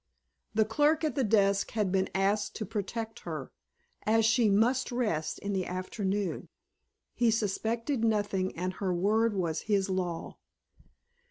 The clerk at the desk had been asked to protect her, as she "must rest in the afternoon." He suspected nothing and her word was his law.